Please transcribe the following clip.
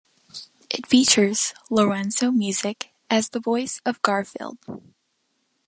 It features Lorenzo Music as the voice of Garfield.